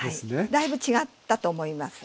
だいぶ違ったと思います。